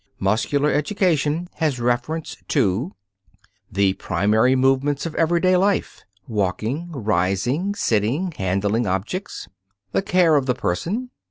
Muscular education has reference to: The primary movements of everyday life (walking, rising, sitting, handling objects). The care of the person.